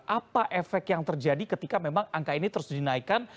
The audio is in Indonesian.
apa efek yang terjadi ketika memang angka ini terus dinaikkan